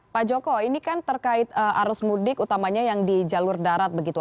pak joko ini kan terkait arus mudik utamanya yang di jalur darat begitu